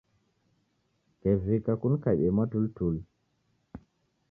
Kevika kunikabie mwatulituli.